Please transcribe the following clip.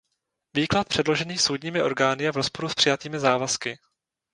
Výklad předložený soudními orgány je v rozporu s přijatými závazky.